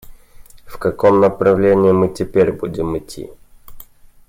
В каком направлении мы теперь будем идти?